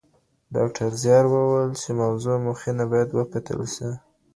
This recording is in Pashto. ډاکټر زیار وویل چي د موضوع مخینه باید وکتل سي.